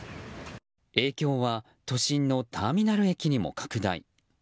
影響は都心のターミナル駅にも拡大。